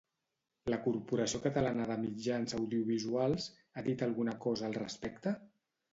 La Corporació Catalana de Mitjans Audiovisuals ha dit alguna cosa al respecte?